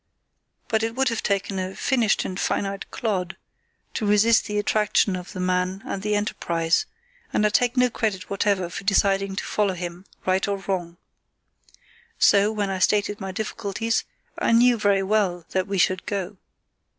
But it would have taken a "finished and finite clod" to resist the attraction of the man and the enterprise; and I take no credit whatever for deciding to follow him, right or wrong. So, when I stated my difficulties, I knew very well that we should go.